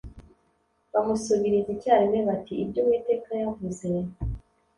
bamusubiriza icyarimwe bati Ibyo Uwiteka yavuze